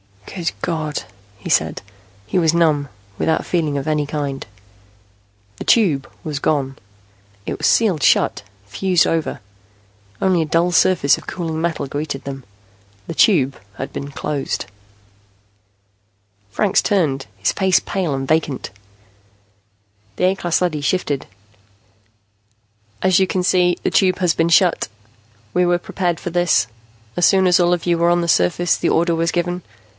"Good God," he said. He was numb, without feeling of any kind. The Tube was gone. It was sealed shut, fused over. Only a dull surface of cooling metal greeted them. The Tube had been closed. Franks turned, his face pale and vacant. The A class leady shifted. "As you can see, the Tube has been shut. We were prepared for this. As soon as all of you were on the surface, the order was given.